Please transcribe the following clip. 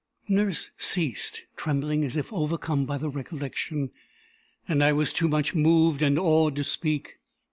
Nurse ceased, trembling as overcome by the recollection; and I was too much moved and awed to speak.